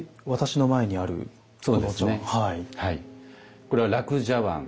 これは樂茶碗。